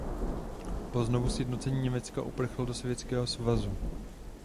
Po znovusjednocení Německa uprchl do Sovětského svazu.